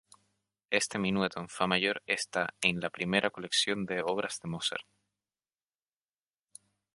Este minueto en fa mayor está en la primera colección de obras de Mozart.